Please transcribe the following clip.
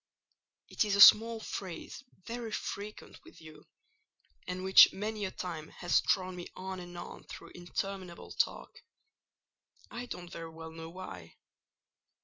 It is a small phrase very frequent with you; and which many a time has drawn me on and on through interminable talk: I don't very well know why."